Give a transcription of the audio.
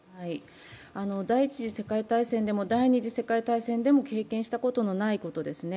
第一次世界大戦でも第二次世界大戦でも経験したことのないことですね。